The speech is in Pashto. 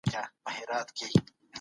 خپل هېواد جوړ کړو.